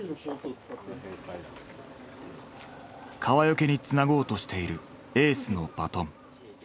川除につなごうとしているエースのバトン。